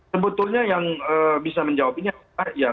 sebetulnya yang bisa menjawab ini adalah